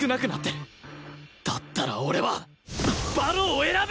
だったら俺は馬狼を選ぶ！